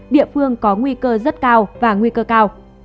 địa phương có nguy cơ rất cao và nguy cơ cao